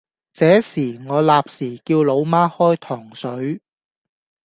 這時我立時叫老媽開糖水